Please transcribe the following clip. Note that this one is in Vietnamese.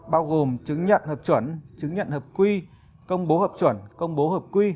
bao gồm chứng nhận hợp chuẩn chứng nhận hợp quy công bố hợp chuẩn công bố hợp quy